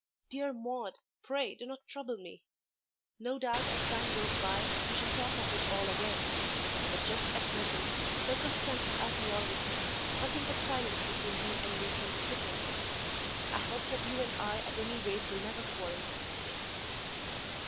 Dear Maude, pray do not trouble me. No doubt as time goes by we shall talk of it all again. But just at present, circumstanced as you are with him, nothing but silence between you and me can be fitting. I hope that you and I at any rate will never quarrel."